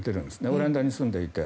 オランダに住んでいて。